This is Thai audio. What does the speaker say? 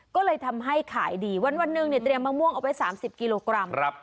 ก็เลยทำให้ขายดีวันวันหนึ่งเนี้ยเตรียมมะม่วงเอาไว้สามสิบกิโลกรัมครับ